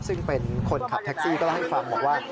ซึ่งเป็นคนขับแท็กซี่ก็เล่าให้ฟังบอกว่า